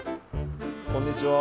こんにちは。